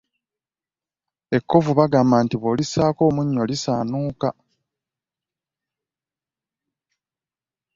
Ekkovu bagamba mbu bw'olissaako omunnyo lisaanuuka.